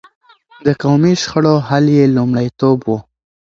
د قومي شخړو حل يې لومړيتوب و.